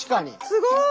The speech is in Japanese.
すごい！